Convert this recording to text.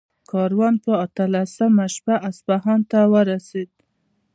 کاروان په اتلسمه شپه اصفهان ته ورسېد.